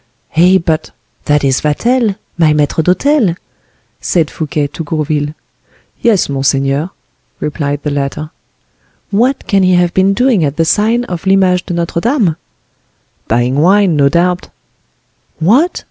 "Eh, but! that is Vatel! my maitre d'hotel!" said Fouquet to Gourville. "Yes, monseigneur," replied the latter. "What can he have been doing at the sign of L'Image de Notre Dame?" "Buying wine, no doubt." "What!